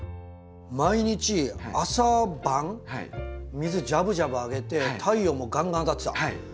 毎日朝晩水ジャブジャブあげて太陽もガンガン当たってた。